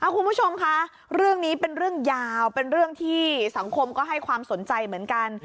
คุณผู้ชมคะเรื่องนี้เป็นเรื่องยาวเป็นเรื่องที่สังคมก็ให้ความสนใจเหมือนกัน